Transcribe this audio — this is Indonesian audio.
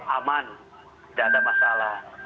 aman tidak ada masalah